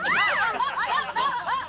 あっ！